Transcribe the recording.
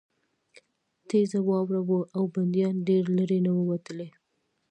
تېزه واوره وه او بندیان ډېر لېرې نه وو تللي